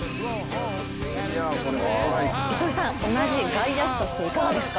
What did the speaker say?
同じ外野手としていかがですか？